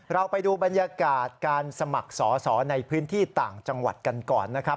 เราไปดูบรรยากาศการสมัครสอสอในพื้นที่ต่างจังหวัดกันก่อนนะครับ